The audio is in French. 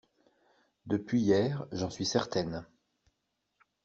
Depuis hier, j'en suis certaine.